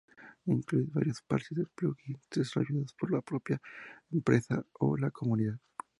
Incluye varios parches y plugins desarrollados por la propia empresa o la comunidad.